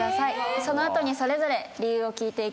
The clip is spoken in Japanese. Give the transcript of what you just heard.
その後にそれぞれ理由を聞いていきます。